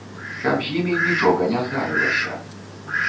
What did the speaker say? Каб з імі нічога не здарылася.